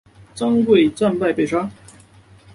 张贵战败被杀。